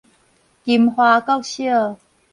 金華國小